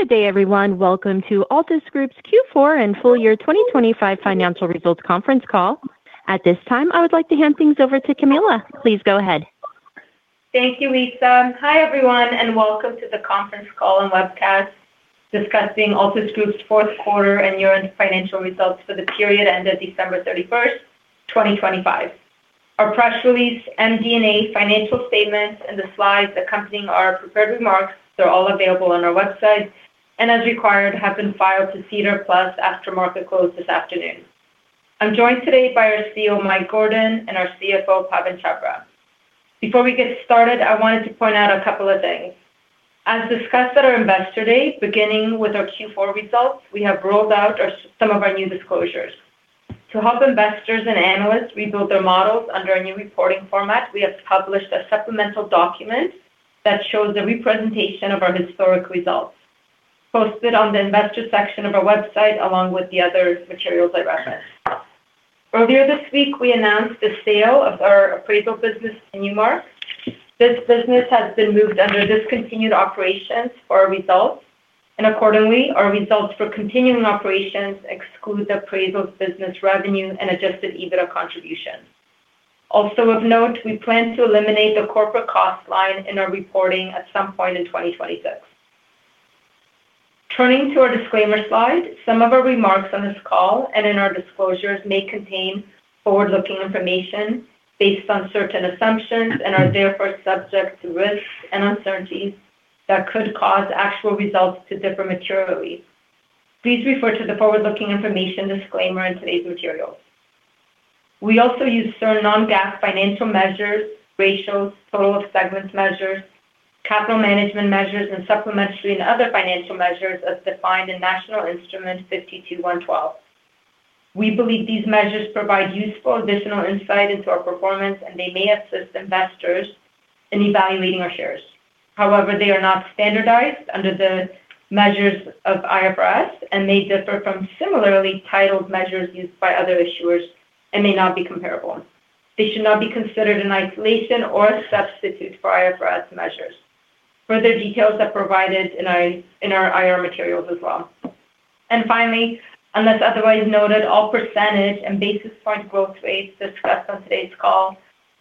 Good day, everyone. Welcome to Altus Group's Q4 and full year 2025 financial results conference call. At this time, I would like to hand things over to Camilla. Please go ahead. Thank you, Lisa. Hi, everyone, and welcome to the conference call and webcast discussing Altus Group's fourth quarter and year-end financial results for the period ended December 31st, 2025. Our press release, MD&A financial statements, and the slides accompanying our prepared remarks, they're all available on our website, and as required, have been filed to SEDAR+ after market close this afternoon. I'm joined today by our CEO, Mike Gordon, and our CFO, Pawan Chhabra. Before we get started, I wanted to point out a couple of things. As discussed at our investor day, beginning with our Q4 results, we have rolled out our some of our new disclosures. To help investors and analysts rebuild their models under our new reporting format, we have published a supplemental document that shows the representation of our historic results, posted on the investor section of our website, along with the other materials I referenced. Earlier this week, we announced the sale of our appraisal business to Newmark. This business has been moved under discontinued operations for our results, and accordingly, our results for continuing operations exclude the appraisal business revenue and Adjusted EBITDA contribution. Also of note, we plan to eliminate the corporate cost line in our reporting at some point in 2026. Turning to our disclaimer slide, some of our remarks on this call and in our disclosures may contain forward-looking information based on certain assumptions and are therefore subject to risks and uncertainties that could cause actual results to differ materially. Please refer to the forward-looking information disclaimer in today's materials. We also use certain non-GAAP financial measures, ratios, total of segment measures, capital management measures, and supplementary and other financial measures as defined in National Instrument 52-112. We believe these measures provide useful additional insight into our performance, and they may assist investors in evaluating our shares. However, they are not standardized under the measures of IFRS and may differ from similarly titled measures used by other issuers and may not be comparable. They should not be considered in isolation or a substitute for IFRS measures. Further details are provided in our IR materials as well. And finally, unless otherwise noted, all percentage and basis point growth rates discussed on today's call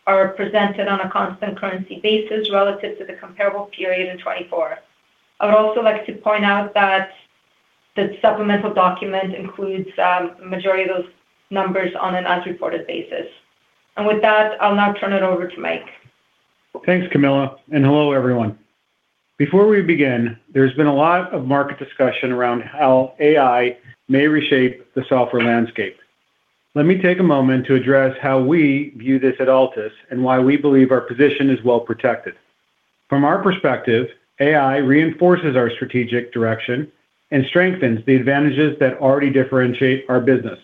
are presented on a constant currency basis relative to the comparable period in 2024. I would also like to point out that the supplemental document includes, majority of those numbers on an as-reported basis. With that, I'll now turn it over to Mike. Thanks, Camilla, and hello, everyone. Before we begin, there's been a lot of market discussion around how AI may reshape the software landscape. Let me take a moment to address how we view this at Altus and why we believe our position is well protected. From our perspective, AI reinforces our strategic direction and strengthens the advantages that already differentiate our business.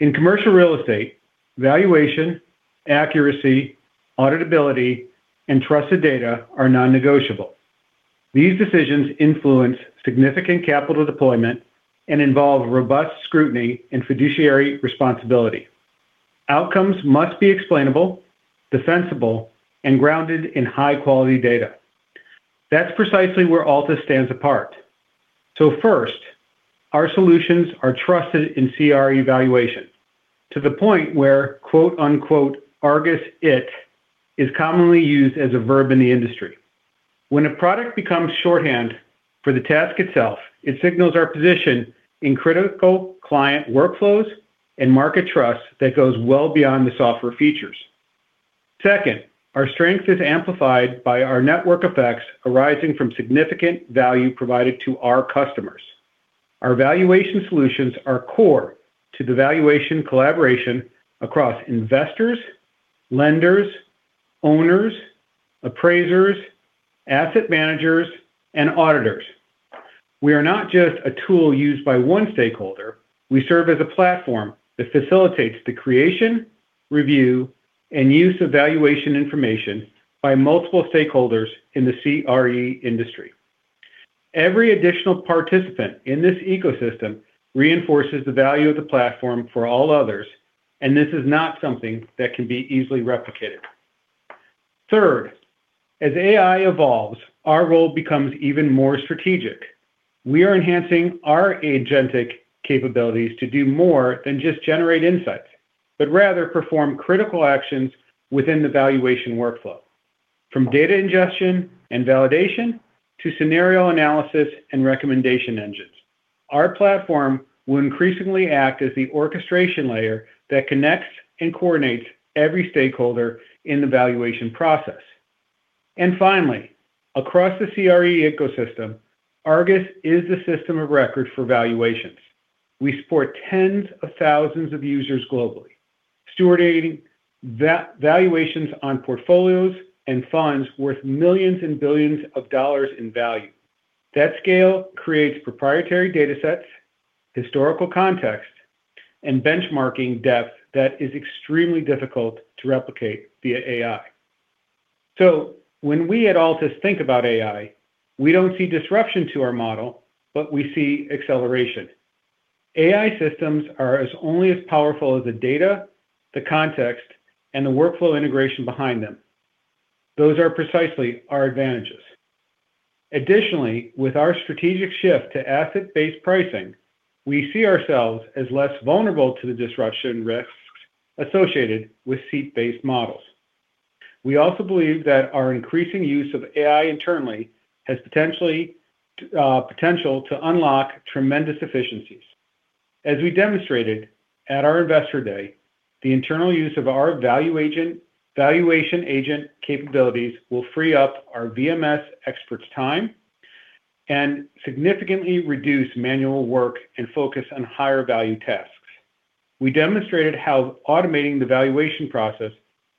In commercial real estate, valuation, accuracy, auditability, and trusted data are non-negotiable. These decisions influence significant capital deployment and involve robust scrutiny and fiduciary responsibility. Outcomes must be explainable, defensible, and grounded in high-quality data. That's precisely where Altus stands apart. So first, our solutions are trusted in CRE evaluation, to the point where, quote, unquote, "ARGUS it" is commonly used as a verb in the industry. When a product becomes shorthand for the task itself, it signals our position in critical client workflows and market trust that goes well beyond the software features. Second, our strength is amplified by our network effects arising from significant value provided to our customers. Our valuation solutions are core to the valuation collaboration across investors, lenders, owners, appraisers, asset managers, and auditors. We are not just a tool used by one stakeholder. We serve as a platform that facilitates the creation, review, and use of valuation information by multiple stakeholders in the CRE industry. Every additional participant in this ecosystem reinforces the value of the platform for all others, and this is not something that can be easily replicated. Third, as AI evolves, our role becomes even more strategic. We are enhancing our agentic capabilities to do more than just generate insights, but rather perform critical actions within the valuation workflow, from data ingestion and validation to scenario analysis and recommendation engines. Our platform will increasingly act as the orchestration layer that connects and coordinates every stakeholder in the valuation process. And finally, across the CRE ecosystem, ARGUS is the system of record for valuations. We support tens of thousands of users globally, stewarding valuations on portfolios and funds worth millions and billions of dollars in value. That scale creates proprietary datasets, historical context, and benchmarking depth that is extremely difficult to replicate via AI. So when we at Altus think about AI, we don't see disruption to our model, but we see acceleration. AI systems are only as powerful as the data, the context, and the workflow integration behind them. Those are precisely our advantages. Additionally, with our strategic shift to asset-based pricing, we see ourselves as less vulnerable to the disruption risks associated with seat-based models. We also believe that our increasing use of AI internally has potentially, potential to unlock tremendous efficiencies. As we demonstrated at our Investor Day, the internal use of our value agent, valuation agent capabilities will free up our VMS experts' time and significantly reduce manual work and focus on higher-value tasks. We demonstrated how automating the valuation process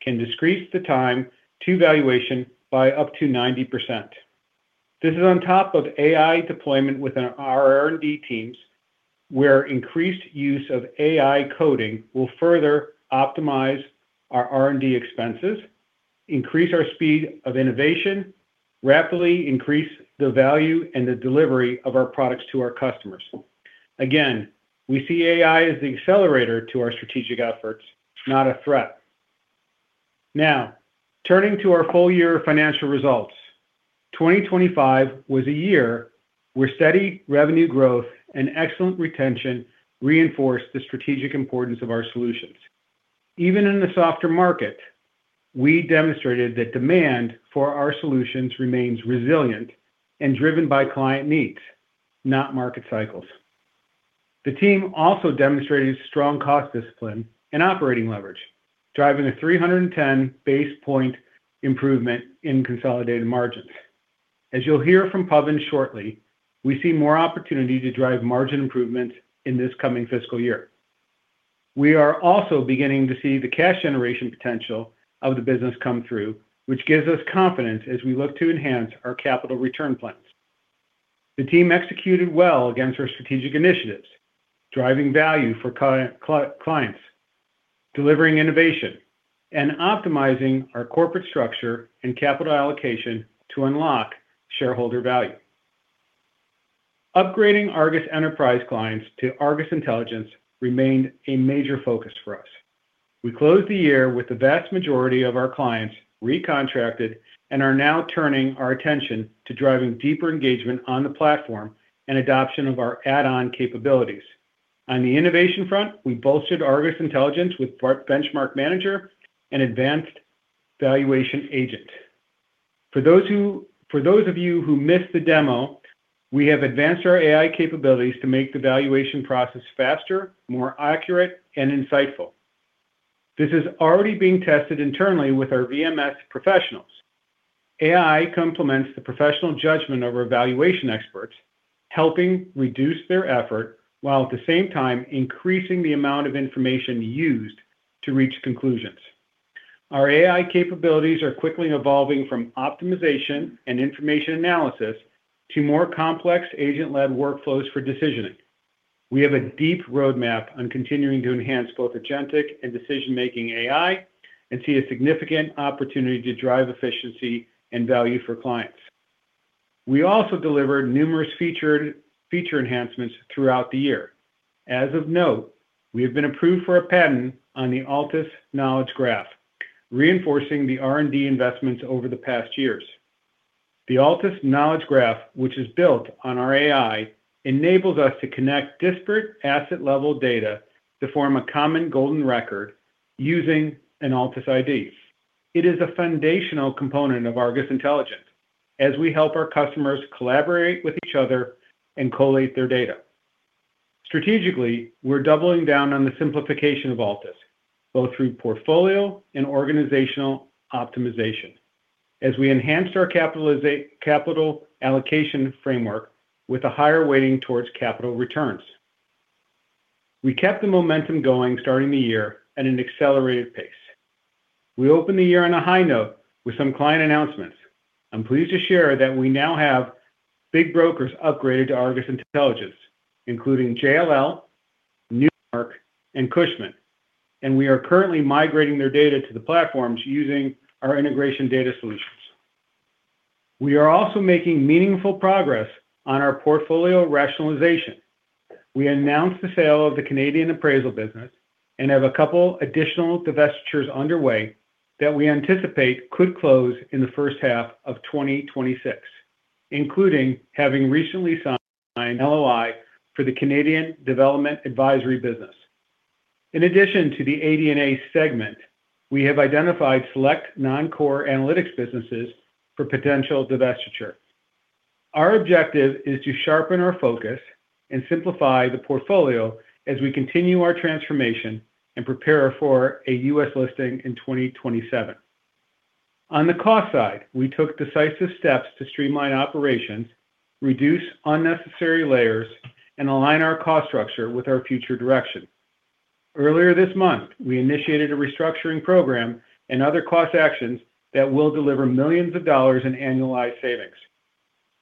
can decrease the time to valuation by up to 90%. This is on top of AI deployment within our R&D teams, where increased use of AI coding will further optimize our R&D expenses, increase our speed of innovation, rapidly increase the value and the delivery of our products to our customers. Again, we see AI as the accelerator to our strategic efforts, not a threat. Now, turning to our full-year financial results. 2025 was a year where steady revenue growth and excellent retention reinforced the strategic importance of our solutions. Even in the softer market, we demonstrated that demand for our solutions remains resilient and driven by client needs, not market cycles. The team also demonstrated strong cost discipline and operating leverage, driving a 310 basis point improvement in consolidated margins. As you'll hear from Pawan shortly, we see more opportunity to drive margin improvement in this coming fiscal year. We are also beginning to see the cash generation potential of the business come through, which gives us confidence as we look to enhance our capital return plans. The team executed well against our strategic initiatives, driving value for clients, delivering innovation, and optimizing our corporate structure and capital allocation to unlock shareholder value. Upgrading ARGUS Enterprise clients to ARGUS Intelligence remained a major focus for us. We closed the year with the vast majority of our clients recontracted and are now turning our attention to driving deeper engagement on the platform and adoption of our add-on capabilities. On the innovation front, we bolstered ARGUS Intelligence with our Benchmark Manager and advanced valuation agent. For those of you who missed the demo, we have advanced our AI capabilities to make the valuation process faster, more accurate, and insightful. This is already being tested internally with our VMS professionals. AI complements the professional judgment of our valuation experts, helping reduce their effort, while at the same time increasing the amount of information used to reach conclusions. Our AI capabilities are quickly evolving from optimization and information analysis to more complex agent-led workflows for decisioning. We have a deep roadmap on continuing to enhance both agentic and decision-making AI and see a significant opportunity to drive efficiency and value for clients. We also delivered numerous feature enhancements throughout the year. Of note, we have been approved for a patent on the Altus Knowledge Graph, reinforcing the R&D investments over the past years. The Altus Knowledge Graph, which is built on our AI, enables us to connect disparate asset-level data to form a common golden record using an Altus ID. It is a foundational component of ARGUS Intelligence as we help our customers collaborate with each other and collate their data. Strategically, we're doubling down on the simplification of Altus, both through portfolio and organizational optimization, as we enhanced our capital allocation framework with a higher weighting towards capital returns. We kept the momentum going, starting the year at an accelerated pace. We opened the year on a high note with some client announcements. I'm pleased to share that we now have big brokers upgraded to ARGUS Intelligence, including JLL, Newmark, and Cushman, and we are currently migrating their data to the platforms using our integration data solutions. We are also making meaningful progress on our portfolio rationalization. We announced the sale of the Canadian appraisal business and have a couple additional divestitures underway that we anticipate could close in the first half of 2026, including having recently signed an LOI for the Canadian Development Advisory business. In addition to the AD&A segment, we have identified select non-core analytics businesses for potential divestiture. Our objective is to sharpen our focus and simplify the portfolio as we continue our transformation and prepare for a U.S. listing in 2027. On the cost side, we took decisive steps to streamline operations, reduce unnecessary layers, and align our cost structure with our future direction. Earlier this month, we initiated a restructuring program and other cost actions that will deliver millions of dollars in annualized savings.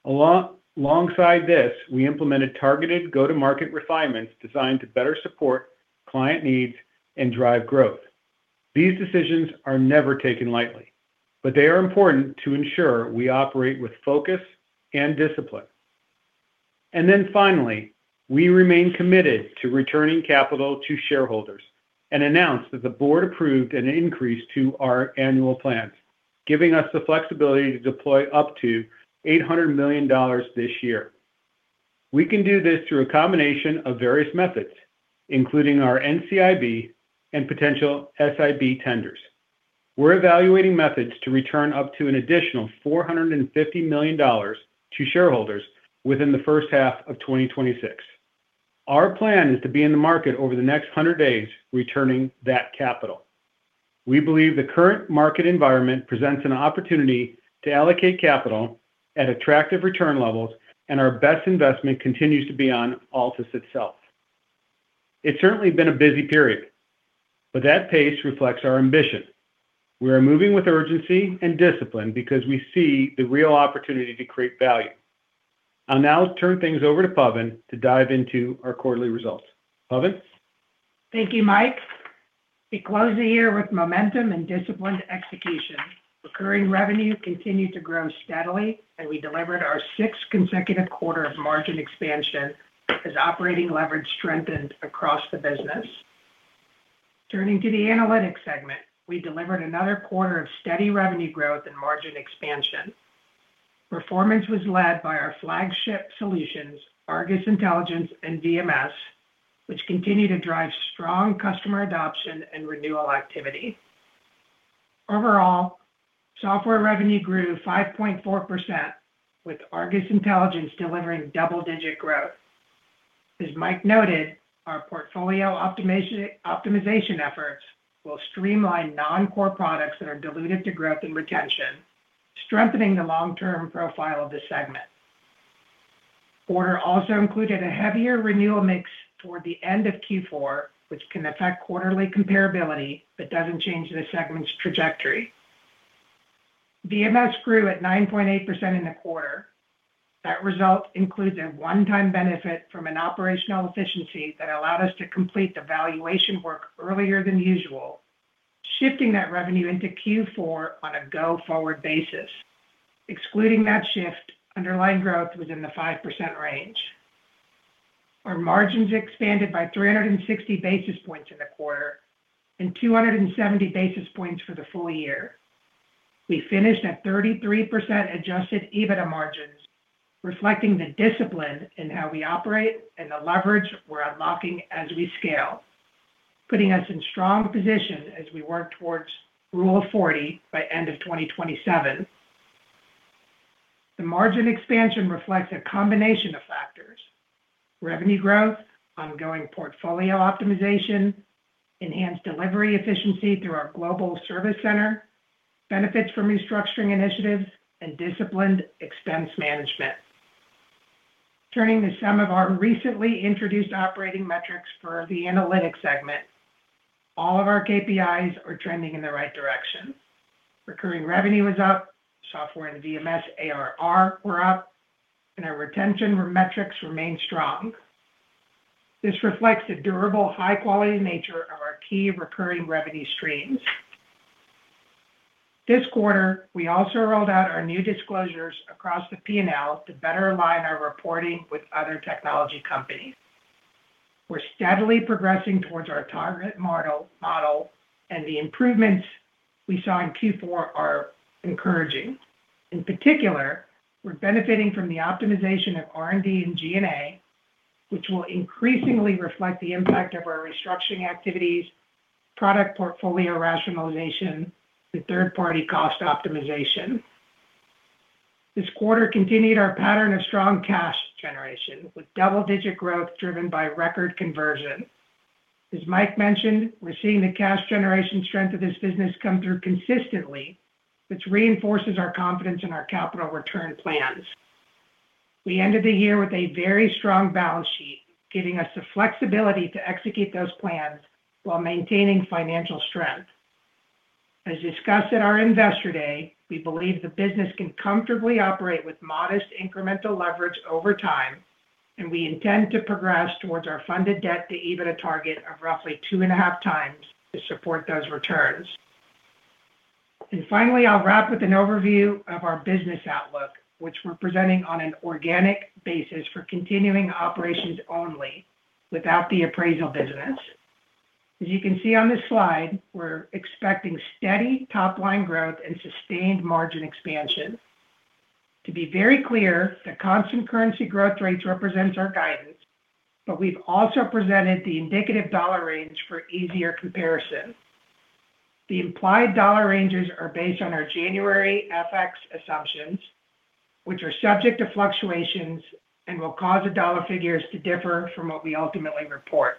Alongside this, we implemented targeted go-to-market refinements designed to better support client needs and drive growth. These decisions are never taken lightly, but they are important to ensure we operate with focus and discipline. Then finally, we remain committed to returning capital to shareholders and announce that the board approved an increase to our annual plans, giving us the flexibility to deploy up to 800 million dollars this year. We can do this through a combination of various methods, including our NCIB and potential SIB tenders. We're evaluating methods to return up to an additional 450 million dollars to shareholders within the first half of 2026. Our plan is to be in the market over the next 100 days, returning that capital. We believe the current market environment presents an opportunity to allocate capital at attractive return levels, and our best investment continues to be on Altus itself. It's certainly been a busy period, but that pace reflects our ambition. We are moving with urgency and discipline because we see the real opportunity to create value. I'll now turn things over to Pawan to dive into our quarterly results. Pawan? Thank you, Mike. We closed the year with momentum and disciplined execution. Recurring revenue continued to grow steadily, and we delivered our sixth consecutive quarter of margin expansion as operating leverage strengthened across the business. Turning to the Analytics segment, we delivered another quarter of steady revenue growth and margin expansion. Performance was led by our flagship solutions, ARGUS Intelligence and VMS, which continue to drive strong customer adoption and renewal activity. Overall, software revenue grew 5.4%, with ARGUS Intelligence delivering double-digit growth. As Mike noted, our portfolio optimization efforts will streamline non-core products that are dilutive to growth and retention, strengthening the long-term profile of this segment. Q4 also included a heavier renewal mix toward the end of Q4, which can affect quarterly comparability but doesn't change the segment's trajectory. VMS grew at 9.8% in the quarter. That result includes a one-time benefit from an operational efficiency that allowed us to complete the valuation work earlier than usual, shifting that revenue into Q4 on a go-forward basis. Excluding that shift, underlying growth was in the 5% range. Our margins expanded by 360 basis points in the quarter and 270 basis points for the full year. We finished at 33% Adjusted EBITDA margins, reflecting the discipline in how we operate and the leverage we're unlocking as we scale, putting us in strong position as we work towards Rule of 40 by end of 2027. The margin expansion reflects a combination of factors: revenue growth, ongoing portfolio optimization, enhanced delivery efficiency through our global service center, benefits from restructuring initiatives, and disciplined expense management. Turning to some of our recently introduced operating metrics for the Analytics segment, all of our KPIs are trending in the right direction. Recurring revenue is up, software and VMS ARR were up, and our retention metrics remain strong. This reflects the durable, high-quality nature of our key recurring revenue streams. This quarter, we also rolled out our new disclosures across the P&L to better align our reporting with other technology companies. We're steadily progressing towards our target model, model, and the improvements we saw in Q4 are encouraging. In particular, we're benefiting from the optimization of R&D and G&A, which will increasingly reflect the impact of our restructuring activities, product portfolio rationalization, the third-party cost optimization. This quarter continued our pattern of strong cash generation, with double-digit growth driven by record conversion. As Mike mentioned, we're seeing the cash generation strength of this business come through consistently, which reinforces our confidence in our capital return plans. We ended the year with a very strong balance sheet, giving us the flexibility to execute those plans while maintaining financial strength. As discussed at our Investor Day, we believe the business can comfortably operate with modest incremental leverage over time, and we intend to progress towards our funded debt to EBITDA target of roughly 2.5x to support those returns. Finally, I'll wrap with an overview of our business outlook, which we're presenting on an organic basis for continuing operations only without the appraisal business. As you can see on this slide, we're expecting steady top-line growth and sustained margin expansion. To be very clear, the constant currency growth rates represents our guidance, but we've also presented the indicative dollar range for easier comparison. The implied dollar ranges are based on our January FX assumptions, which are subject to fluctuations and will cause the dollar figures to differ from what we ultimately report.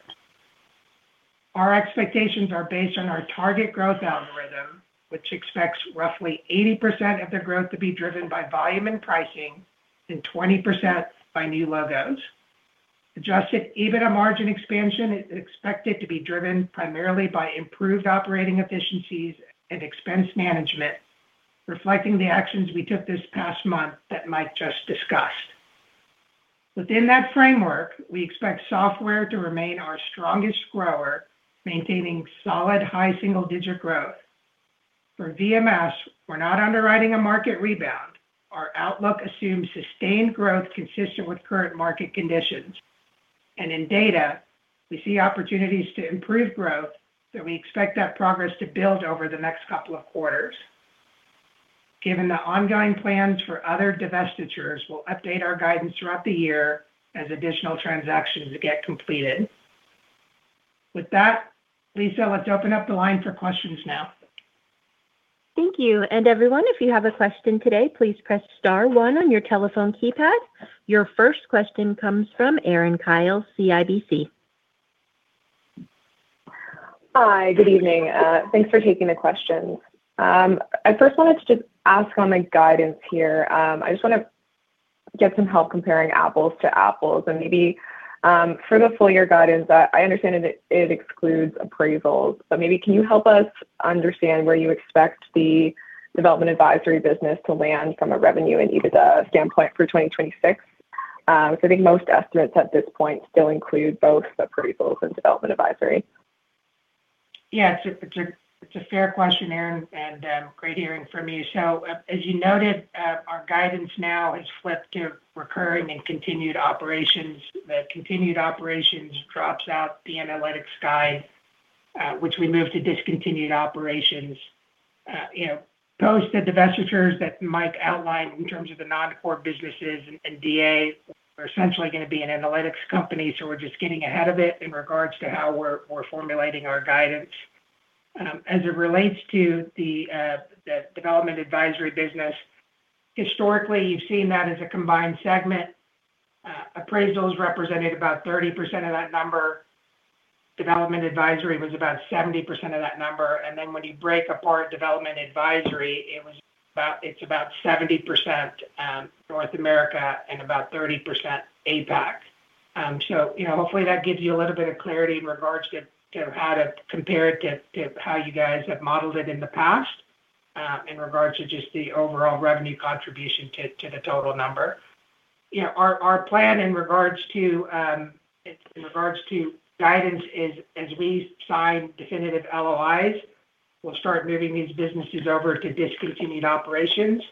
Our expectations are based on our target growth algorithm, which expects roughly 80% of the growth to be driven by volume and pricing and 20% by new logos. Adjusted EBITDA margin expansion is expected to be driven primarily by improved operating efficiencies and expense management, reflecting the actions we took this past month that Mike just discussed.... Within that framework, we expect software to remain our strongest grower, maintaining solid high single-digit growth. For VMS, we're not underwriting a market rebound. Our outlook assumes sustained growth consistent with current market conditions. In data, we see opportunities to improve growth, so we expect that progress to build over the next couple of quarters. Given the ongoing plans for other divestitures, we'll update our guidance throughout the year as additional transactions get completed. With that, Lisa, let's open up the line for questions now. Thank you, and everyone, if you have a question today, please press star one on your telephone keypad. Your first question comes from Erin Kyle, CIBC. Hi, good evening. Thanks for taking the questions. I first wanted to just ask on the guidance here. I just want to get some help comparing apples to apples, and maybe, for the full year guidance, I, I understand that it, it excludes appraisals. But maybe can you help us understand where you expect the Development Advisory business to land from a revenue and EBITDA standpoint for 2026? Because I think most estimates at this point still include both appraisals and Development Advisory. Yeah, it's a fair question, Erin, and great hearing from you. So, as you noted, our guidance now has flipped to recurring and continued operations. The continued operations drops out the analytics guide, which we moved to discontinued operations. You know, post the divestitures that Mike outlined in terms of the non-core businesses and DA, we're essentially going to be an analytics company, so we're just getting ahead of it in regards to how we're formulating our guidance. As it relates to the Development Advisory business, historically, you've seen that as a combined segment. Appraisals represented about 30% of that number. Development advisory was about 70% of that number, and then when you break apart Development Advisory, it was about—it's about 70% North America and about 30% APAC. So, you know, hopefully that gives you a little bit of clarity in regards to how to compare it to how you guys have modeled it in the past, in regards to just the overall revenue contribution to the total number. You know, our plan in regards to guidance is as we sign definitive LOIs, we'll start moving these businesses over to discontinued operations,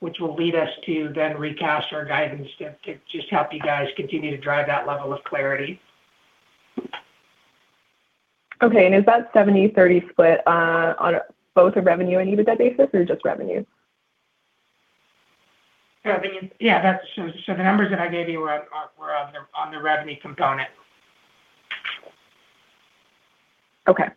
which will lead us to then recast our guidance to just help you guys continue to drive that level of clarity. Okay, and is that 70/30 split on both a revenue and EBITDA basis or just revenue? Revenue. Yeah, that's—so, the numbers that I gave you were on the revenue component. Okay.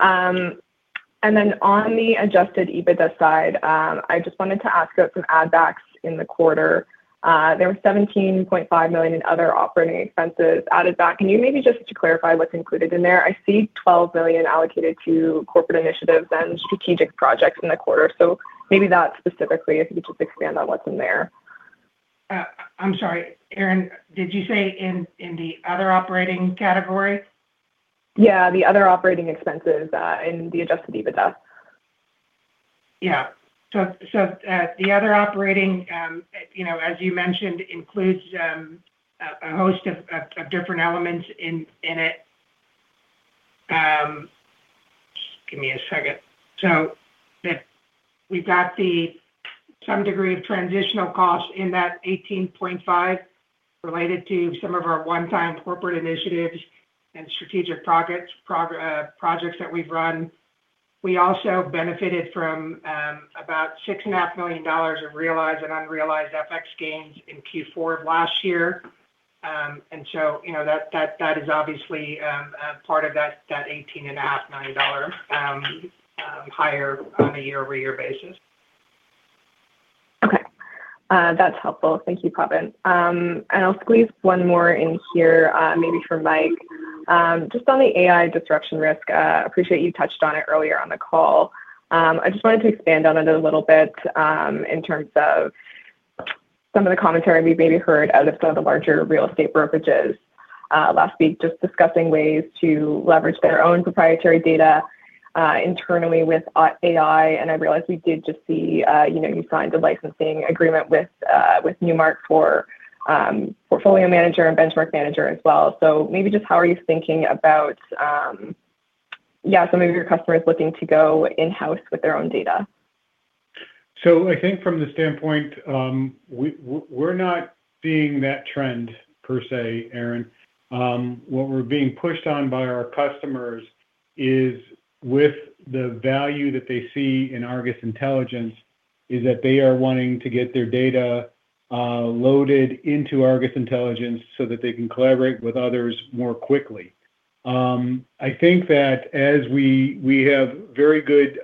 And then on the Adjusted EBITDA side, I just wanted to ask about some add backs in the quarter. There were 17.5 million in other operating expenses added back. Can you maybe just clarify what's included in there? I see 12 million allocated to corporate initiatives and strategic projects in the quarter, so maybe that specifically, if you could just expand on what's in there. I'm sorry, Erin, did you say in the other operating category? Yeah, the other operating expenses in the Adjusted EBITDA. Yeah. The other operating, you know, as you mentioned, includes a host of different elements in it. Give me a second. We've got some degree of transitional costs in that 18.5 related to some of our one-time corporate initiatives and strategic projects that we've run. We also benefited from about 6.5 million dollars of realized and unrealized FX gains in Q4 of last year. You know, that is obviously a part of that 18.5 million dollar higher on a year-over-year basis. Okay. That's helpful. Thank you, Pawan. And I'll squeeze one more in here, maybe for Mike. Just on the AI disruption risk, appreciate you touched on it earlier on the call. I just wanted to expand on it a little bit, in terms of some of the commentary we've maybe heard out of some of the larger real estate brokerages, last week, just discussing ways to leverage their own proprietary data, internally with, AI. And I realized we did just see, you know, you signed a licensing agreement with, with Newmark for, Portfolio Manager and Benchmark Manager as well. So maybe just how are you thinking about, yeah, some of your customers looking to go in-house with their own data? So I think from the standpoint, we're not seeing that trend per se, Erin. What we're being pushed on by our customers is with the value that they see in ARGUS Intelligence, is that they are wanting to get their data loaded into ARGUS Intelligence so that they can collaborate with others more quickly. I think that as we, we have very good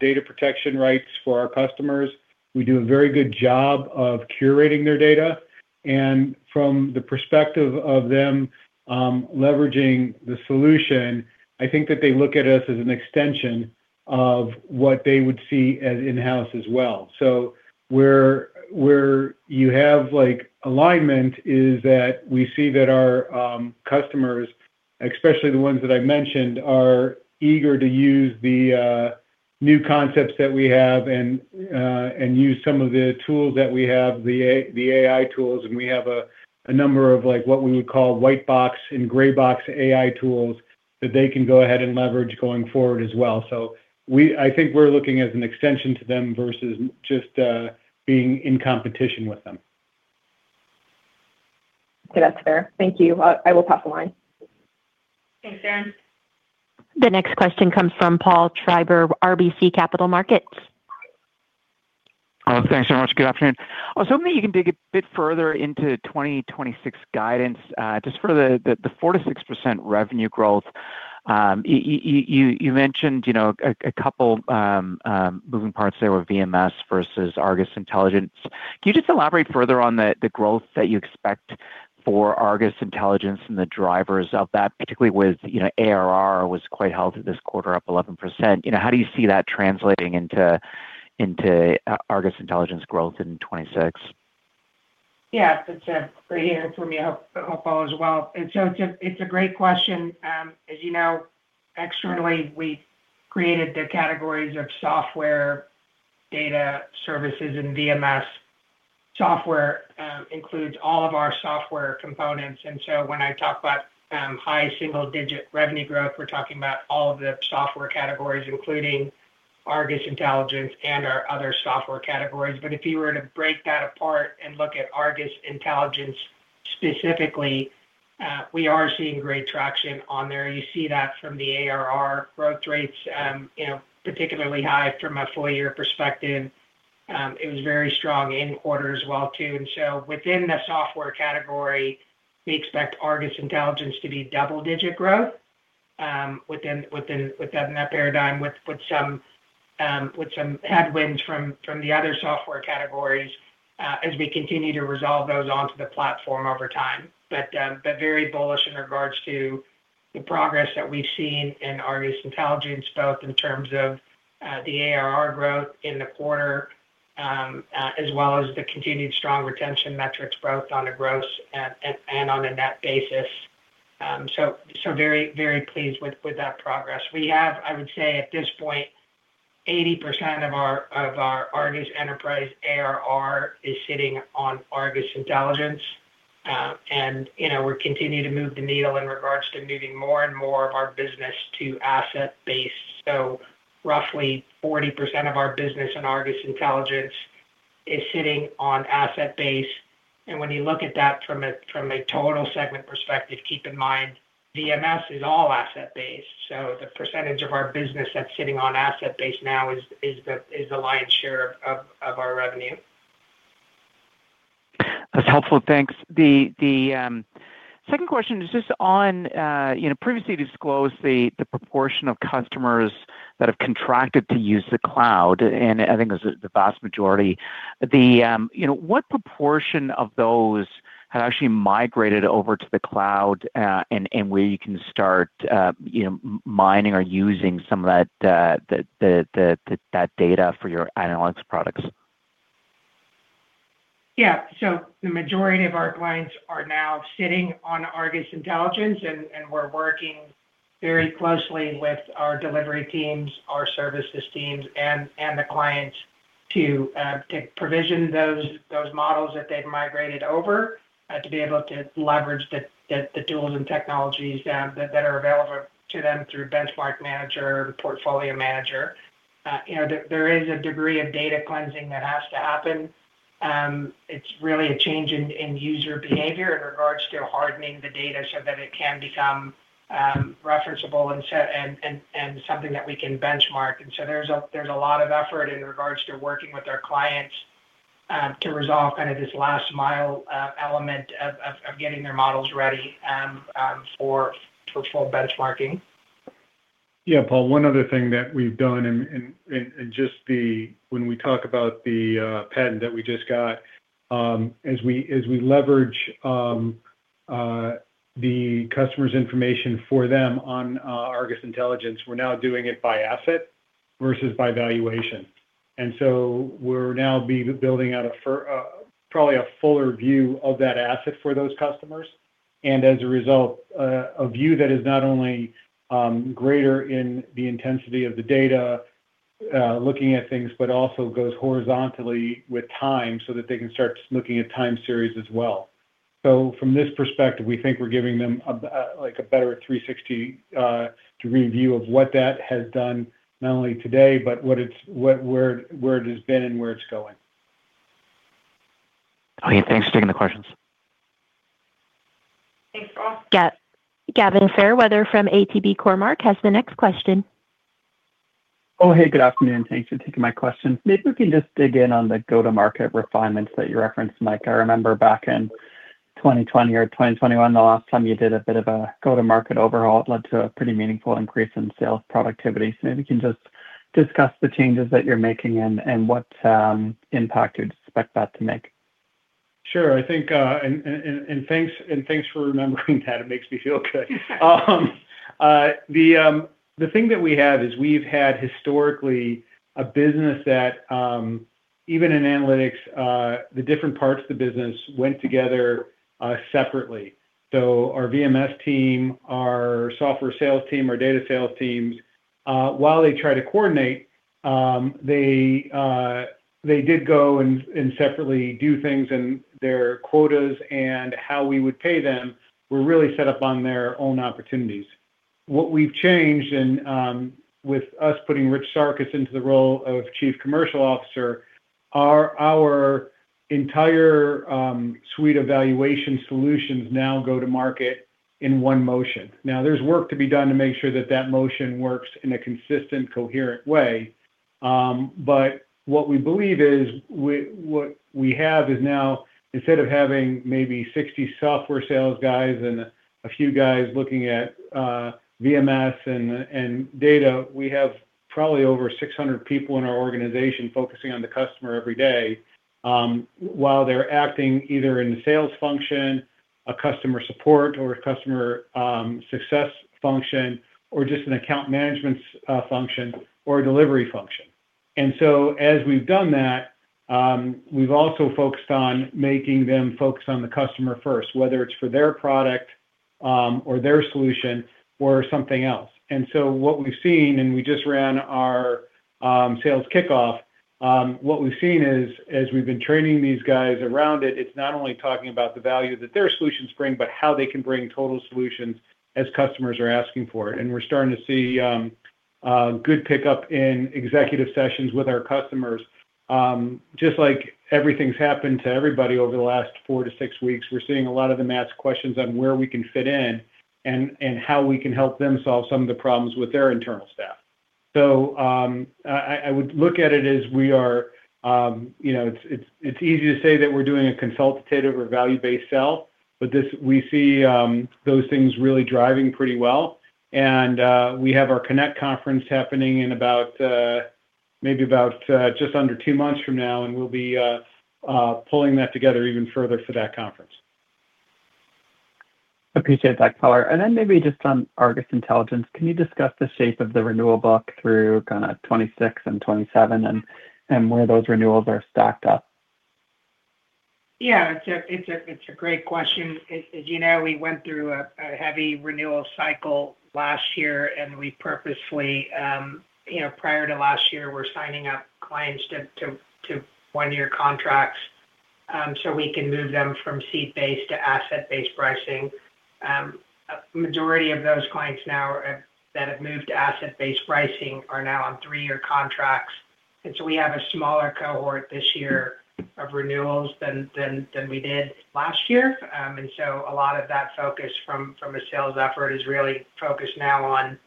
data protection rights for our customers, we do a very good job of curating their data, and from the perspective of them leveraging the solution, I think that they look at us as an extension of what they would see as in-house as well. So where, where you have, like, alignment is that we see that our customers, especially the ones that I mentioned, are eager to use the... new concepts that we have and use some of the tools that we have, the AI, the AI tools, and we have a number of, like, what we would call white box and gray box AI tools that they can go ahead and leverage going forward as well. So I think we're looking as an extension to them versus just being in competition with them. Okay, that's fair. Thank you. I will pass the line. Thanks, Erin. The next question comes from Paul Treiber, RBC Capital Markets. Thanks so much. Good afternoon. I was hoping you can dig a bit further into 2026 guidance, just for the 4%-6% revenue growth. You mentioned, you know, a couple moving parts there were VMS versus ARGUS Intelligence. Can you just elaborate further on the growth that you expect for ARGUS Intelligence and the drivers of that, particularly with, you know, ARR was quite held to this quarter, up 11%. You know, how do you see that translating into ARGUS Intelligence growth in 2026? Yeah, that's great hearing from you. Hope all is well. And so it's a great question. As you know, externally, we created the categories of software, data, services, and VMS. Software includes all of our software components, and so when I talk about high single-digit revenue growth, we're talking about all of the software categories, including ARGUS Intelligence and our other software categories. But if you were to break that apart and look at ARGUS Intelligence specifically, we are seeing great traction on there. You see that from the ARR growth rates, you know, particularly high from a full year perspective. It was very strong in quarter as well, too. And so within the software category, we expect ARGUS Intelligence to be double-digit growth, within that paradigm, with some headwinds from the other software categories, as we continue to resolve those onto the platform over time. But very bullish in regards to the progress that we've seen in ARGUS Intelligence, both in terms of the ARR growth in the quarter, as well as the continued strong retention metrics, both on a gross and on a net basis. So very pleased with that progress. We have, I would say, at this point, 80% of our ARGUS Enterprise ARR is sitting on ARGUS Intelligence. And you know, we're continuing to move the needle in regards to moving more and more of our business to asset base. So roughly 40% of our business in ARGUS Intelligence is sitting on asset base, and when you look at that from a total segment perspective, keep in mind, VMS is all asset-based. So the percentage of our business that's sitting on asset base now is the lion's share of our revenue. That's helpful. Thanks. The second question is just on, you know, previously disclosed the proportion of customers that have contracted to use the cloud, and I think it was the vast majority. The, you know, what proportion of those have actually migrated over to the cloud, and where you can start, you know, mining or using some of that, that data for your analytics products? Yeah. So the majority of our clients are now sitting on ARGUS Intelligence, and we're working very closely with our delivery teams, our services teams, and the clients to provision those models that they've migrated over to be able to leverage the tools and technologies that are available to them through Benchmark Manager, Portfolio Manager. You know, there is a degree of data cleansing that has to happen. It's really a change in user behavior in regards to hardening the data so that it can become referenceable and so something that we can benchmark. There's a lot of effort in regards to working with our clients to resolve kind of this last mile element of getting their models ready for full benchmarking. Yeah, Paul, one other thing that we've done and just when we talk about the patent that we just got, as we leverage the customer's information for them on ARGUS Intelligence, we're now doing it by asset versus by valuation. And so we're now building out a fuller view of that asset for those customers, and as a result, a view that is not only greater in the intensity of the data looking at things, but also goes horizontally with time so that they can start looking at time series as well. So from this perspective, we think we're giving them a, like, a better 360 to review of what that has done, not only today, but what it's, where it has been and where it's going. Okay, thanks for taking the questions. Thanks, Paul. Gavin Fairweather from ATB Capital Markets has the next question. Oh, hey, good afternoon. Thanks for taking my question. Maybe we can just dig in on the go-to-market refinements that you referenced, Mike. I remember back in 2020 or 2021, the last time you did a bit of a go-to-market overhaul, it led to a pretty meaningful increase in sales productivity. So maybe you can just discuss the changes that you're making and what impact you'd expect that to make. Sure. I think, thanks for remembering that. It makes me feel good. The thing that we have is we've had historically a business that, even in analytics, the different parts of the business went together, separately. So our VMS team, our software sales team, our data sales teams, while they try to coordinate, they did go and separately do things, and their quotas and how we would pay them were really set up on their own opportunities. What we've changed and, with us putting Rich Sarkis into the role of Chief Commercial Officer, our entire suite of valuation solutions now go to market in one motion. Now, there's work to be done to make sure that that motion works in a consistent, coherent way. But what we believe is, what we have is now, instead of having maybe 60 software sales guys and a few guys looking at VMS and data, we have probably over 600 people in our organization focusing on the customer every day, while they're acting either in a sales function, a customer support or a customer success function, or just an account management function or a delivery function. And so as we've done that, we've also focused on making them focus on the customer first, whether it's for their product or their solution or something else. So what we've seen, and we just ran our sales kickoff, what we've seen is, as we've been training these guys around it, it's not only talking about the value that their solutions bring, but how they can bring total solutions as customers are asking for it. And we're starting to see a good pickup in executive sessions with our customers. Just like everything's happened to everybody over the last 4-6 weeks, we're seeing a lot of the match questions on where we can fit in and how we can help them solve some of the problems with their internal staff. So I would look at it as we are, you know, it's easy to say that we're doing a consultative or value-based sell, but this, we see those things really driving pretty well. We have our Connect conference happening in about, maybe about, just under two months from now, and we'll be pulling that together even further for that conference. Appreciate that color. And then maybe just on ARGUS Intelligence, can you discuss the shape of the renewal book through kind of 2026 and 2027 and, and where those renewals are stacked up? Yeah, it's a great question. As you know, we went through a heavy renewal cycle last year, and we purposefully, you know, prior to last year, we're signing up clients to one-year contracts, so we can move them from seat-based to asset-based pricing. A majority of those clients now that have moved to asset-based pricing are now on three-year contracts. And so we have a smaller cohort this year of renewals than we did last year. And so a lot of that focus from a sales effort is really focused now on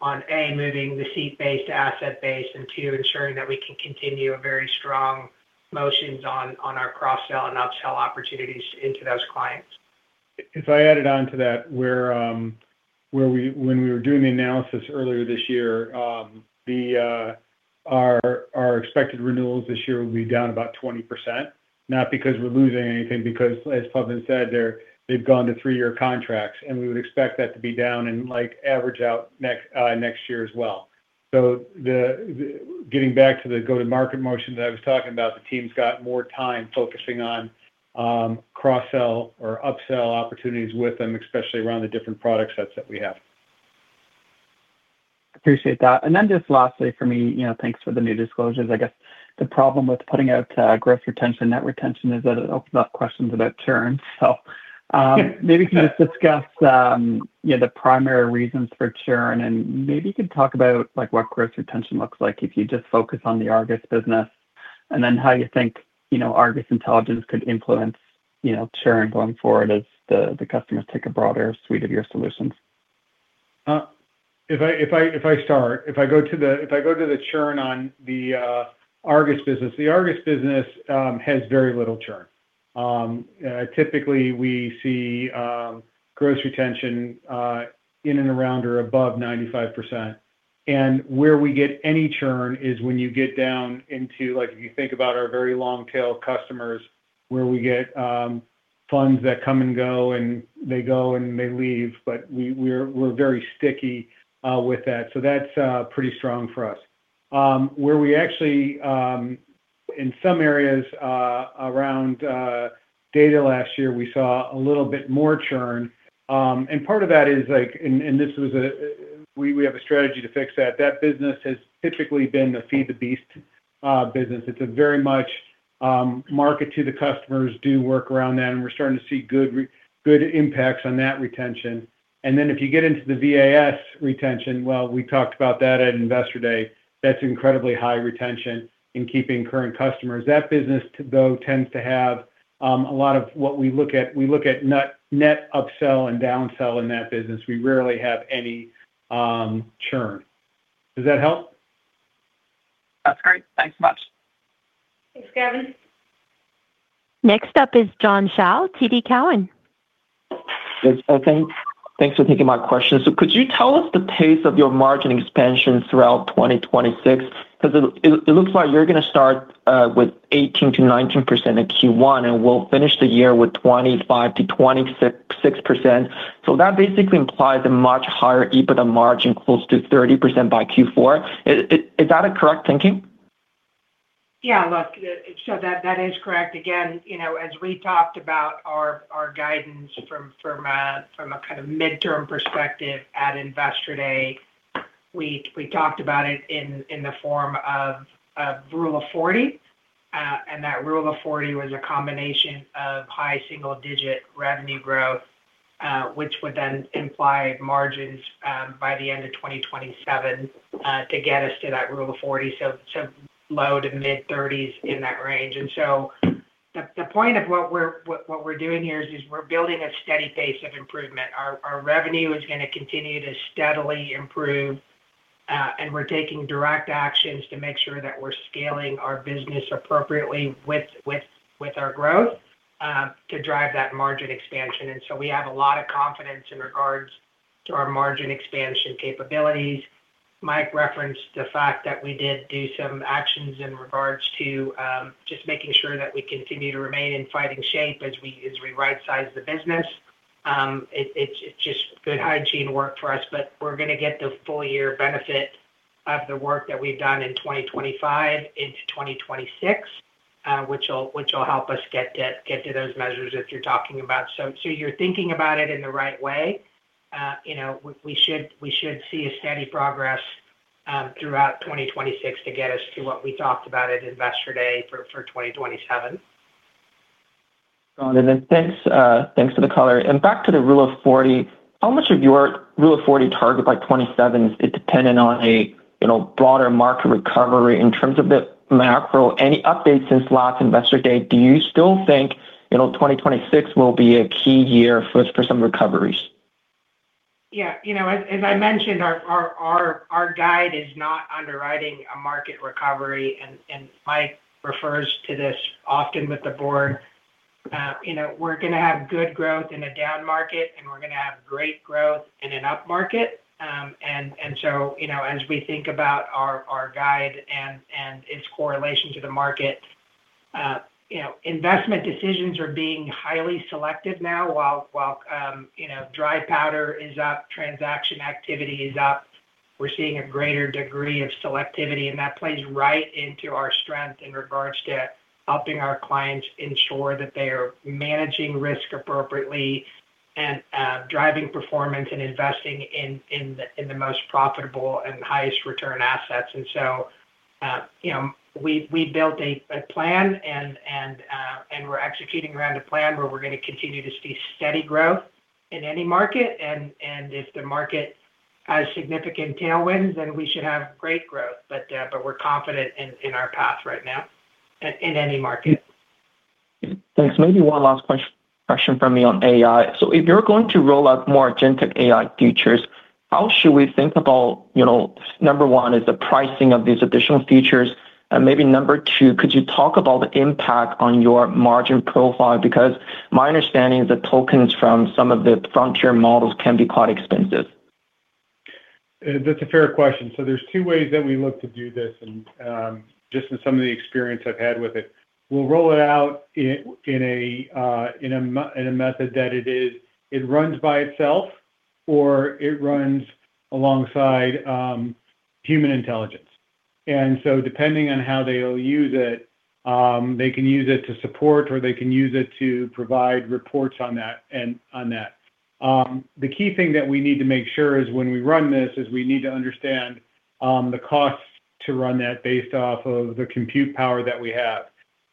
one, moving the seat-based to asset-based, and two, ensuring that we can continue a very strong motions on our cross-sell and upsell opportunities into those clients. If I added on to that, where we were doing the analysis earlier this year, our expected renewals this year will be down about 20%, not because we're losing anything, because as Pawan said, they've gone to three-year contracts, and we would expect that to be down and, like, average out next year as well. So getting back to the go-to-market motion that I was talking about, the team's got more time focusing on cross-sell or upsell opportunities with them, especially around the different product sets that we have. Appreciate that. And then just lastly, for me, you know, thanks for the new disclosures. I guess the problem with putting out growth retention, net retention is that it opens up questions about churn. So, Yeah. Maybe can you just discuss, yeah, the primary reasons for churn, and maybe you could talk about, like, what growth retention looks like if you just focus on the ARGUS business, and then how you think, you know, ARGUS Intelligence could influence, you know, churn going forward as the, the customers take a broader suite of your solutions. If I go to the churn on the ARGUS business, the ARGUS business has very little churn. Typically, we see growth retention in and around or above 95%. And where we get any churn is when you get down into, like, if you think about our very long-tail customers, where we get funds that come and go, and they go and they leave, but we're very sticky with that. So that's pretty strong for us. Where we actually in some areas around data last year, we saw a little bit more churn. And part of that is, like, and this was a—we have a strategy to fix that. That business has typically been the feed the beast business. It's very much market to the customers, do work around that, and we're starting to see good impacts on that retention. And then if you get into the VAS retention, well, we talked about that at Investor Day. That's incredibly high retention in keeping current customers. That business, though, tends to have a lot of what we look at. We look at net, net upsell and downsell in that business. We rarely have any churn. Does that help? That's great. Thanks much. Thanks, Gavin. Next up is John Shao, TD Cowen. Yes, thanks. Thanks for taking my question. So could you tell us the pace of your margin expansion throughout 2026? Because it looks like you're gonna start with 18%-19% in Q1, and we'll finish the year with 25%-26%. So that basically implies a much higher EBITDA margin, close to 30% by Q4. Is that a correct thinking?... Yeah, look, so that, that is correct. Again, you know, as we talked about our guidance from a kind of midterm perspective at Investor Day, we talked about it in the form of Rule of 40, and that Rule of 40 was a combination of high single-digit revenue growth, which would then imply margins by the end of 2027 to get us to that Rule of 40, so low to mid-thirties in that range. And so the point of what we're doing here is we're building a steady pace of improvement. Our revenue is gonna continue to steadily improve, and we're taking direct actions to make sure that we're scaling our business appropriately with our growth to drive that margin expansion. And so we have a lot of confidence in regards to our margin expansion capabilities. Mike referenced the fact that we did do some actions in regards to just making sure that we continue to remain in fighting shape as we rightsize the business. It's just good hygiene work for us, but we're gonna get the full year benefit of the work that we've done in 2025 into 2026, which will help us get to those measures that you're talking about. So you're thinking about it in the right way. You know, we should see a steady progress throughout 2026 to get us to what we talked about at Investor Day for 2027. Thanks, thanks for the color. Back to the Rule of 40, how much of your Rule of 40 target by 2027 is dependent on a, you know, broader market recovery in terms of the macro? Any updates since last Investor Day? Do you still think, you know, 2026 will be a key year for some recoveries? Yeah, you know, as I mentioned, our guide is not underwriting a market recovery, and Mike refers to this often with the board. You know, we're gonna have good growth in a down market, and we're gonna have great growth in an up market. And so, you know, as we think about our guide and its correlation to the market, you know, investment decisions are being highly selective now, while you know, dry powder is up, transaction activity is up. We're seeing a greater degree of selectivity, and that plays right into our strength in regards to helping our clients ensure that they are managing risk appropriately and driving performance and investing in the most profitable and highest return assets. And so, you know, we built a plan, and we're executing around a plan where we're gonna continue to see steady growth in any market, and if the market has significant tailwinds, then we should have great growth. But we're confident in our path right now in any market. Thanks. Maybe one last question from me on AI. So if you're going to roll out more Agentic AI features, how should we think about, you know, number one, is the pricing of these additional features? And maybe number two, could you talk about the impact on your margin profile? Because my understanding is that tokens from some of the frontier models can be quite expensive. That's a fair question. So there's two ways that we look to do this, and just in some of the experience I've had with it, we'll roll it out in a method that it is, it runs by itself, or it runs alongside human intelligence. And so depending on how they'll use it, they can use it to support, or they can use it to provide reports on that and on that. The key thing that we need to make sure is when we run this, is we need to understand the costs to run that based off of the compute power that we have.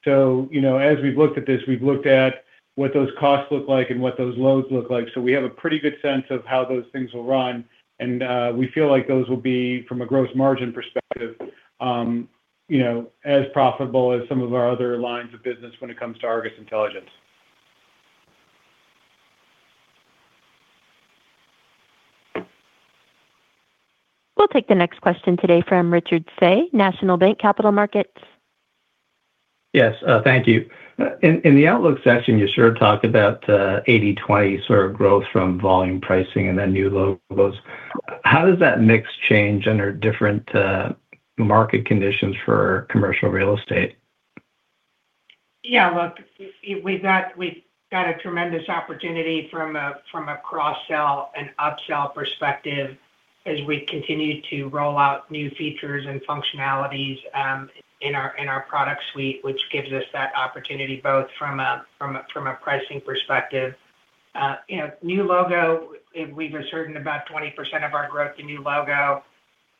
So, you know, as we've looked at this, we've looked at what those costs look like and what those loads look like. So we have a pretty good sense of how those things will run, and we feel like those will be, from a gross margin perspective, you know, as profitable as some of our other lines of business when it comes to ARGUS Intelligence. We'll take the next question today from Richard Tse, National Bank Capital Markets. Yes, thank you. In the outlook section, you sort of talked about 80/20 sort of growth from volume pricing and then new logos. How does that mix change under different market conditions for commercial real estate? Yeah, look, we've got a tremendous opportunity from a cross-sell and upsell perspective as we continue to roll out new features and functionalities in our product suite, which gives us that opportunity both from a pricing perspective. You know, new logo, we've ascertained about 20% of our growth in new logo.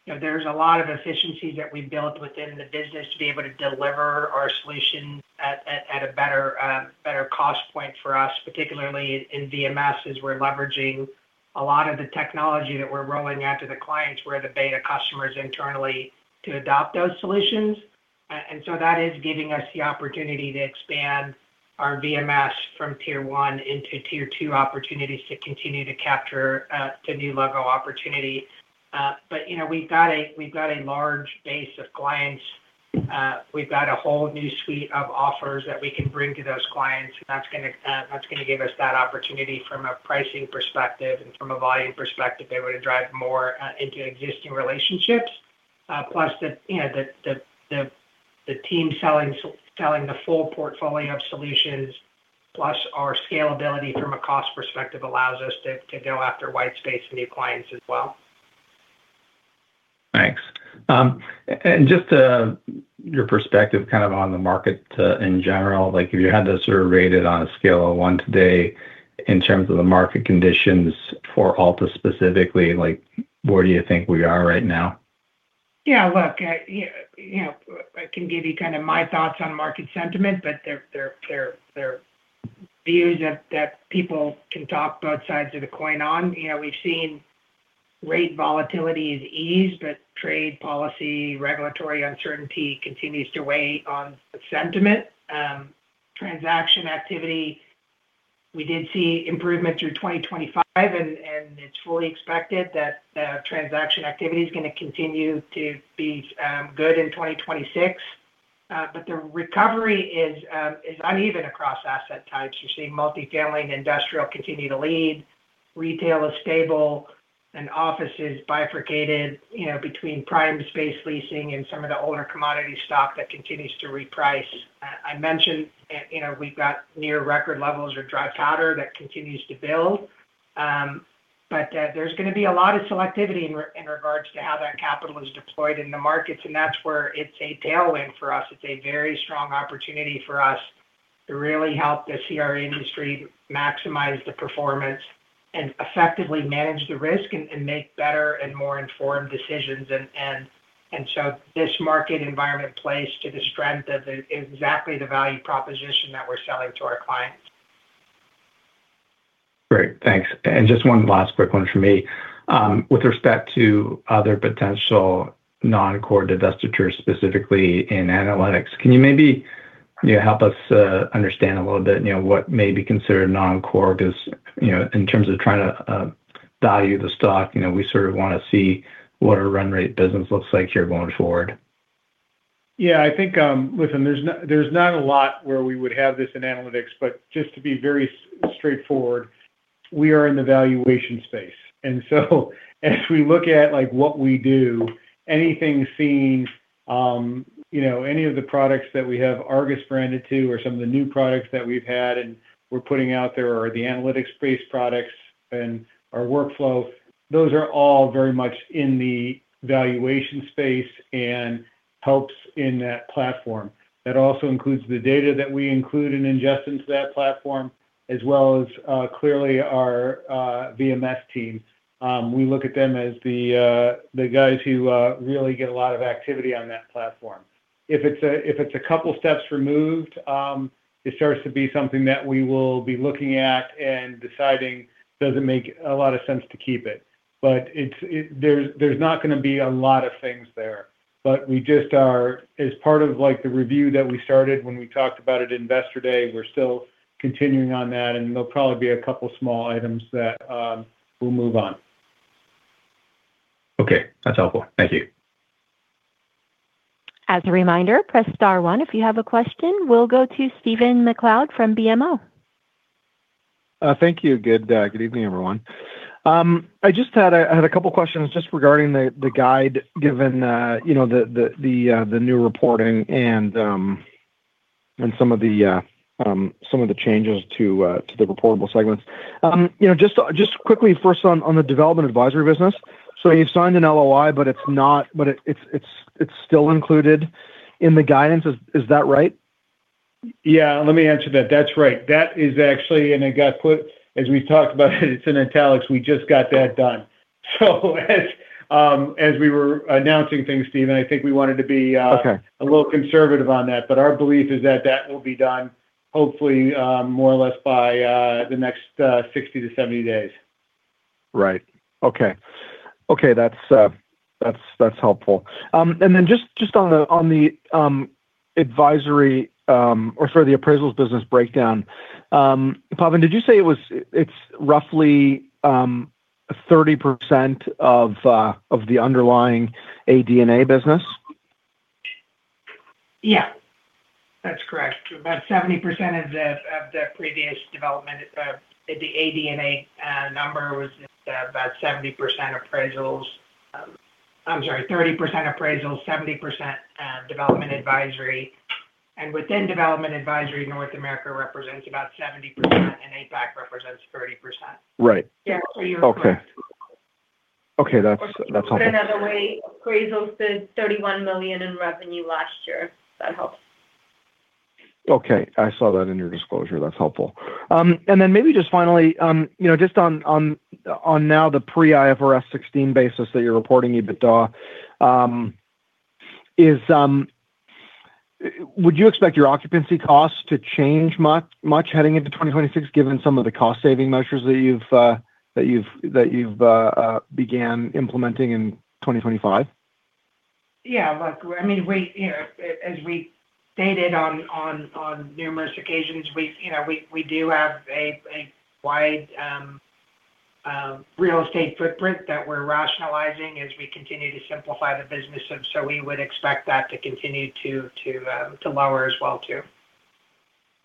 You know, there's a lot of efficiency that we've built within the business to be able to deliver our solution at a better cost point for us, particularly in VMS, as we're leveraging a lot of the technology that we're rolling out to the clients. We're the beta customers internally to adopt those solutions. And so that is giving us the opportunity to expand our VMS from tier one into tier two opportunities to continue to capture the new logo opportunity. But you know, we've got a large base of clients. We've got a whole new suite of offers that we can bring to those clients, and that's gonna give us that opportunity from a pricing perspective and from a volume perspective to be able to drive more into existing relationships. Plus you know, the team selling the full portfolio of solutions, plus our scalability from a cost perspective allows us to go after white space and new clients as well.... Thanks. And just your perspective kind of on the market in general. Like, if you had to sort of rate it on a scale of one to ten in terms of the market conditions for Altus specifically, like, where do you think we are right now? Yeah, look, you know, I can give you kind of my thoughts on market sentiment, but there are views that people can talk both sides of the coin on. You know, we've seen rate volatility is eased, but trade policy, regulatory uncertainty continues to weigh on the sentiment. Transaction activity, we did see improvement through 2025, and it's fully expected that transaction activity is gonna continue to be good in 2026. But the recovery is uneven across asset types. You're seeing multifamily and industrial continue to lead, retail is stable, and office is bifurcated, you know, between prime space leasing and some of the older commodity stock that continues to reprice. I mentioned, you know, we've got near record levels of dry powder that continues to build. But, there's gonna be a lot of selectivity in regards to how that capital is deployed in the markets, and that's where it's a tailwind for us. It's a very strong opportunity for us to really help the CRE industry maximize the performance and effectively manage the risk, and so this market environment plays to the strength of exactly the value proposition that we're selling to our clients. Great, thanks. Just one last quick one from me. With respect to other potential non-core divestitures, specifically in analytics, can you maybe, you know, help us, understand a little bit, you know, what may be considered non-core? Because, you know, in terms of trying to, value the stock, you know, we sort of want to see what a run-rate business looks like here going forward. Yeah, I think, listen, there's not, there's not a lot where we would have this in analytics, but just to be very straightforward, we are in the valuation space. And so as we look at, like, what we do, anything seen, you know, any of the products that we have ARGUS branded to or some of the new products that we've had and we're putting out there or the analytics-based products and our workflow, those are all very much in the valuation space and helps in that platform. That also includes the data that we include and ingest into that platform, as well as, clearly our VMS team. We look at them as the guys who really get a lot of activity on that platform. If it's a couple steps removed, it starts to be something that we will be looking at and deciding, does it make a lot of sense to keep it? But it's there, there's not gonna be a lot of things there, but we just are as part of, like, the review that we started when we talked about it in Investor Day, we're still continuing on that, and there'll probably be a couple small items that we'll move on. Okay, that's helpful. Thank you. As a reminder, press star one if you have a question. We'll go to Stephen MacLeod from BMO. Thank you. Good evening, everyone. I had a couple of questions just regarding the guide, given you know, the new reporting and some of the changes to the reportable segments. You know, just quickly first on the Development Advisory business. So you've signed an LOI, but it's still included in the guidance. Is that right? Yeah, let me answer that. That's right. That is actually, and it got put—as we talked about it, it's in italics. We just got that done. So as, as we were announcing things, Steven, I think we wanted to be. Okay. A little conservative on that. But our belief is that that will be done hopefully, more or less by the next 60-70 days. Right. Okay. Okay, that's, that's helpful. And then just, just on the, on the, advisory, or sorry, the appraisals business breakdown. Pawan, did you say it was—it's roughly 30% of, of the underlying AD&A business? Yeah, that's correct. About 70% of the, of the previous development, the AD&A, number was just about 70% appraisals. I'm sorry, 30% appraisals, 70% Development Advisory. And within Development Advisory, North America represents about 70%, and APAC represents 30%. Right. Yeah, so you're correct. Okay. Okay, that's, that's helpful. Put another way, Appraisals did 31 million in revenue last year. If that helps. Okay, I saw that in your disclosure. That's helpful. And then maybe just finally, you know, just on now, the pre-IFRS 16 basis that you're reporting, EBITDA, is... Would you expect your occupancy costs to change much heading into 2026, given some of the cost-saving measures that you've began implementing in 2025? Yeah, look, I mean, we, you know, as we stated on numerous occasions, we, you know, we do have a wide real estate footprint that we're rationalizing as we continue to simplify the business. So we would expect that to continue to lower as well, too.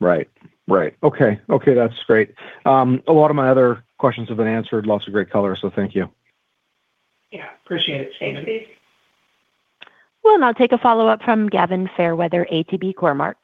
Right. Right. Okay. Okay, that's great. A lot of my other questions have been answered. Lots of great color, so thank you. Yeah, appreciate it, Stephen. Thanks, Steve. We'll now take a follow-up from Gavin Fairweather, ATB Capital Markets.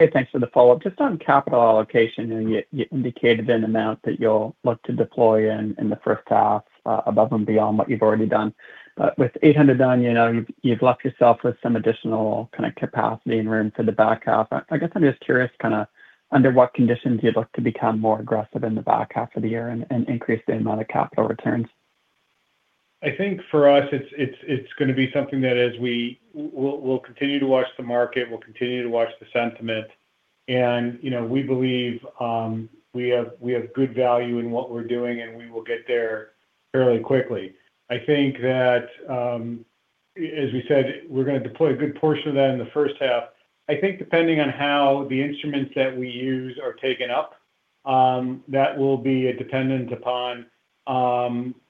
Hey, thanks for the follow-up. Just on capital allocation, and you indicated an amount that you'll look to deploy in the first half, above and beyond what you've already done. But with 800 done, you know, you've left yourself with some additional kind of capacity and room for the back half. I guess I'm just curious, kind of under what conditions you'd look to become more aggressive in the back half of the year and increase the amount of capital returns? I think for us, it's gonna be something that as we'll continue to watch the market, we'll continue to watch the sentiment. And, you know, we believe we have good value in what we're doing, and we will get there fairly quickly. I think that, as we said, we're gonna deploy a good portion of that in the first half. I think depending on how the instruments that we use are taken up, that will be dependent upon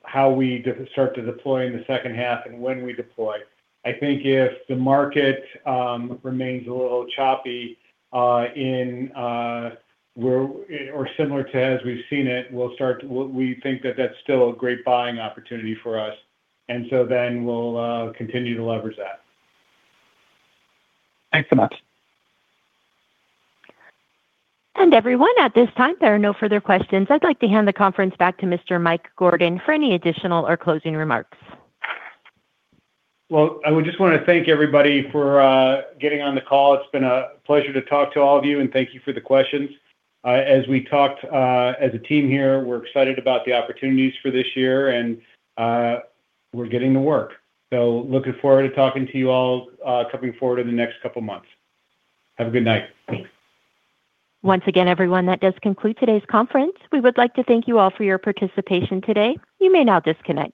how we start to deploy in the second half and when we deploy. I think if the market remains a little choppy or similar to as we've seen it, we think that that's still a great buying opportunity for us, and so then we'll continue to leverage that. Thanks so much. Everyone, at this time, there are no further questions. I'd like to hand the conference back to Mr. Mike Gordon for any additional or closing remarks. Well, I would just want to thank everybody for getting on the call. It's been a pleasure to talk to all of you, and thank you for the questions. As we talked, as a team here, we're excited about the opportunities for this year, and we're getting to work. So looking forward to talking to you all coming forward in the next couple of months. Have a good night. Thanks. Once again, everyone, that does conclude today's conference. We would like to thank you all for your participation today. You may now disconnect.